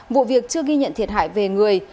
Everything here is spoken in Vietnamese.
vụ việc chưa ghi nhận thiệt hại về người